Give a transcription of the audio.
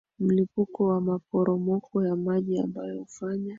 milipuko na maporomoko ya maji ambayo hufanya